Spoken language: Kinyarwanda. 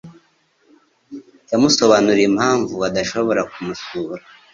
Yamusobanuriye impamvu adashobora kumusura